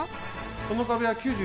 その壁は９９。